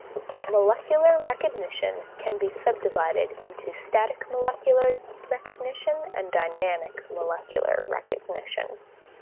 Molecular recognition can be subdivided into "static molecular recognition" and "dynamic molecular recognition".